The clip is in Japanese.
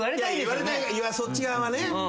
そっち側はね。